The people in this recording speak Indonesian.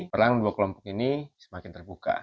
perang dua kelompok ini semakin terbuka